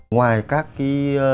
ngoài các cái